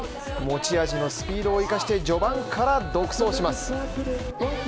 持ち味のスピードを生かして序盤から独走します。